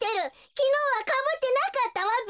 きのうはかぶってなかったわべ。